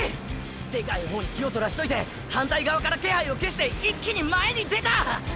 でかい方に気をとらしといて反対側から気配を消して一気に前に出た！！